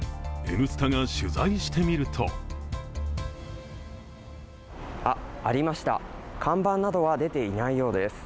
「Ｎスタ」が取材してみるとありました、看板などは出ていないようです。